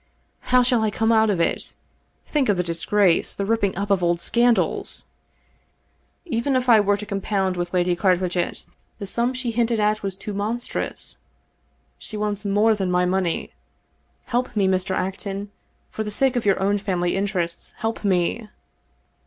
How shall I come out of it? Think of the disgrace, the ripping up of old scandals ! Even if I were to compound with Lady Carwitchet, the sum she 277 English Mystery Stories hinted at was too monstrous. She wants more than my money. Help me, Mr. Acton ! For the sake of your own family interests, help me